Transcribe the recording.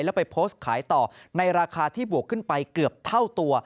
แล้วไปโพสต์ขายต่อในราคาที่บวกขึ้นไปเกือบเท่าตัว